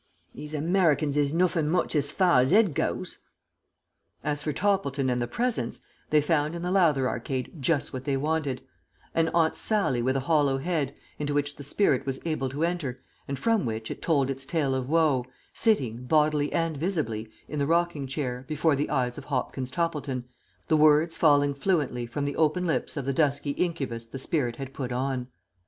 These Hamericans is nothink much has far as 'ead goes." As for Toppleton and the Presence, they found in the Lowther Arcade just what they wanted an Aunt Sallie with a hollow head, into which the spirit was able to enter, and from which it told its tale of woe, sitting, bodily and visibly, in the rocking chair, before the eyes of Hopkins Toppleton, the words falling fluently from the open lips of the dusky incubus the spirit had put on.